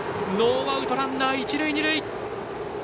ノーアウトランナー、一塁二塁。